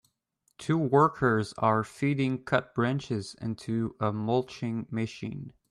Two workers are feeding cut branches into a mulching machine.